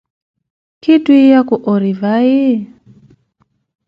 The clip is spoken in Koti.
Khi twiya ku ori vayi?